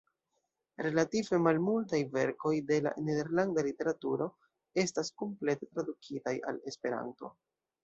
Relative malmultaj verkoj de la nederlanda literaturo estas komplete tradukitaj al Esperanto.